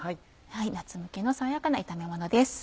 夏向けの爽やかな炒めものです。